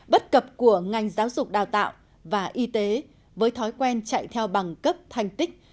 bất cập của ngành giáo dục đào tạo và y tế với thói quen chạy theo bằng cấp thanh tích